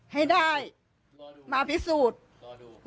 ให้ได้มาพิสูจน์